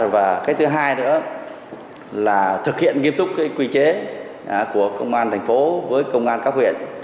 và cái thứ hai nữa là thực hiện nghiêm túc quy chế của công an thành phố với công an các huyện